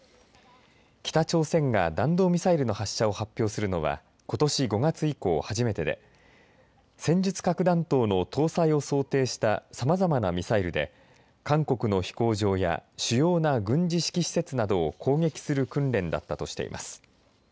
北朝鮮が弾道ミサイルの発射を発表するのはことし５月以降初めてで戦術核弾頭の搭載を想定したさまざまなミサイルで韓国の飛行場や主要な軍事指揮施設などを攻撃する訓練だったとしています。